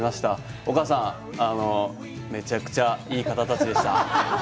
お母さん、めちゃくちゃいい方たちでした。